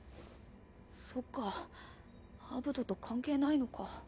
そっかアブトと関係ないのか。